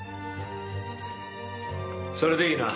それでいいな？